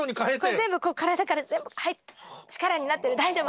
全部体から力になってる大丈夫。